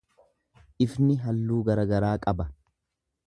Ifni halluu garaagaraa qaba.